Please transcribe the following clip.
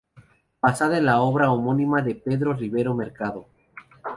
Basada en la obra homónima de Pedro Rivero Mercado.